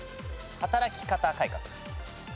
働き方改革。